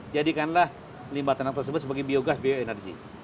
jadikanlah limbah tanah tersebut sebagai biogas bioenergi